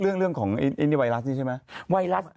เรื่องของไอ้นี่ไวรัสนี่ใช่ไหม